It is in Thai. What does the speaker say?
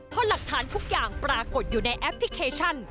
เพราะหลักฐานทุกอย่างปรากฏอยู่ในแอปพลิเคชัน